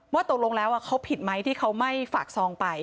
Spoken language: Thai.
ตกลงแล้วเขาผิดไหมที่เขาไม่ฝากซองไป